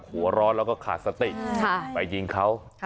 หัวร้อนแล้วก็ขาดสติไปยิงเขา